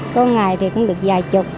con ngày thì cũng được vài chục